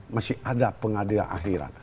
masih ada pengadilan akhirat